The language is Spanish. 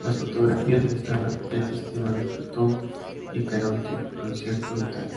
Las fotografías mostraban ya al sistema de Plutón y Caronte, con cierto detalle.